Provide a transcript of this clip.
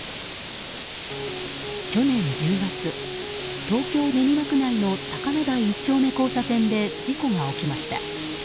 去年１０月東京・練馬区内の高野台１丁目交差点で事故が起きました。